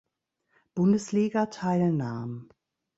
Bundesliga teilnahm.